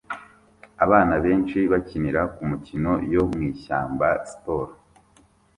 Abana benshi bakinira kumikino yo mwishyamba-siporo